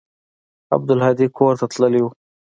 عبدالهادي کور ته تللى و.